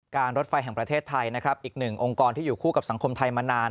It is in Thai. รถไฟแห่งประเทศไทยนะครับอีกหนึ่งองค์กรที่อยู่คู่กับสังคมไทยมานาน